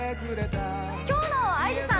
今日のＩＧさん